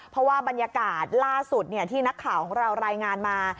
เพราะว่าบรรยากาศล่าสุดที่นักข่าวของเรารายงานมา